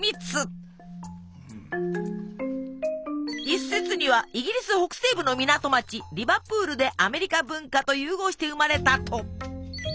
一説にはイギリス北西部の港町リバプールでアメリカ文化と融合して生まれたと。